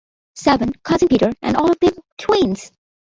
Seven, Cousin Peter, and all of them twins!